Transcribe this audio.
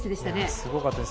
すごかったです。